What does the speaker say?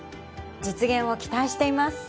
実現を期待しています。